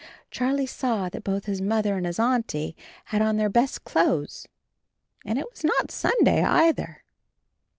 Charlie saw that both his Mother and his Auntie had on their best clothes, and it was not Sunday either.